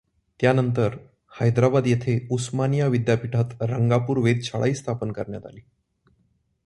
त्यानंतर, हैदराबाद येथे उस्मानिया विद्यापीठात रंगापूर वेधशाळाही स्थापन करण्यात आली.